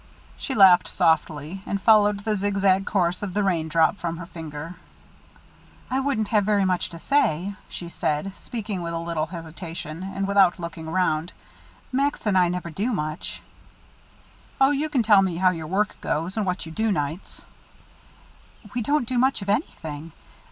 She laughed softly, and followed the zigzag course of the raindrop with her finger. "I wouldn't have very much to say," she said, speaking with a little hesitation, and without looking around. "Max and I never do much." "Oh, you can tell how your work goes, and what you do nights." "We don't do much of anything.